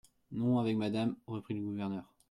Non, avec madame, reprit le gouverneur.